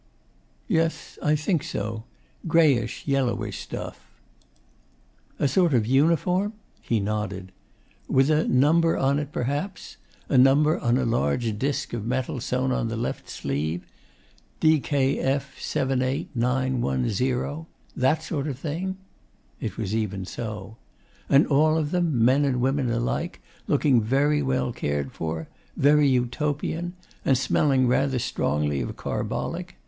'Yes. I think so. Greyish yellowish stuff.' 'A sort of uniform?' He nodded. 'With a number on it, perhaps? a number on a large disc of metal sewn on to the left sleeve? DKF 78,910 that sort of thing?' It was even so. 'And all of them men and women alike looking very well cared for? very Utopian? and smelling rather strongly of carbolic?